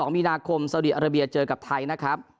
๒มีนาคมซาดีอาราเบียเจอกับไทยนะครับ